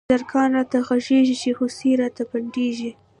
چی زرکان راته غږيږی، چی هوسۍ راته پنډيږی